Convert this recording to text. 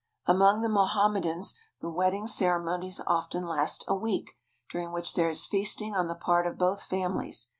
Among the Mohammedans the wedding cere monies often last a week, during which there is feasting on the part of both families.